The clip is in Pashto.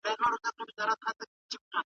رسا صاحب ډېر پوه انسان و.